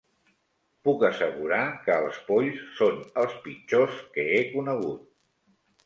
Puc assegurar que els polls són els pitjors que he conegut